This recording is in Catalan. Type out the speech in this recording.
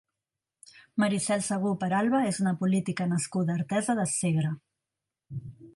Maricel Segú Peralba és una política nascuda a Artesa de Segre.